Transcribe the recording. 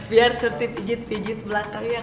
biar surti pijit pijit belakangnya